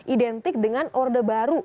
identik dengan orde baru